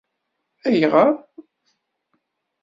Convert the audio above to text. Ayγer?